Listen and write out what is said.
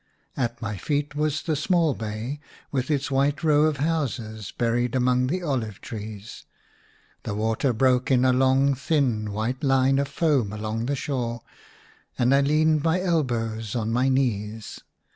At my feet was the small bay, with its white row of houses buried among the olive trees ; the water broke in a long, thin, white line of foam along the shore ; and I leaned my elbows on my knees.